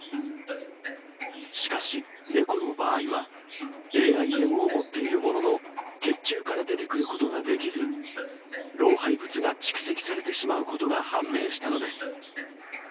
しかし、猫の場合は、ＡＩＭを持っているものの、血中から出てくることができず、老廃物が蓄積されてしまうことが判明したのです。